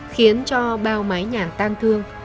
khiến cho bao mái nhà tang thương